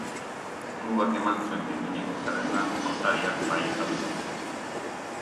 Klubak eman zuen behin behineko zerrenda notariak baieztatu behar du.